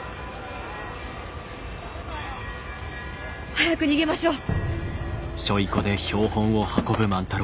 早く逃げましょう！